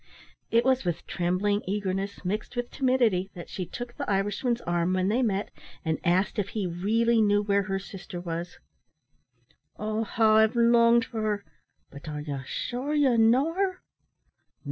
It was with trembling eagerness, mixed with timidity, that she took the Irishman's arm when they met, and asked if he really knew where her sister was. "Oh, how I've longed for her! But are you sure you know her?"